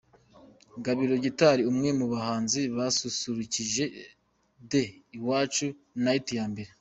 Gabiro Gitari ni umwe mu bahanzi basusurukije The Iwacu night ya mbere.